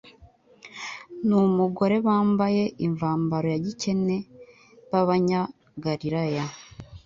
n'umugore bambaye imvambaro ya gikene b'Abanyagalilaya.